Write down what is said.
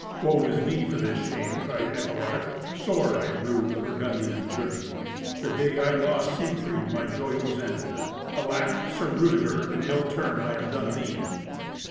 "Woe is me for this shame!" cried Eckewart. "Sore I rue the Burgundians' journey. The day I lost Siegfried my joy was ended. Alack! Sir Rudeger, an ill turn I have done thee."